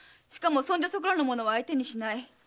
しかもそんじょそこらの者は相手にしない。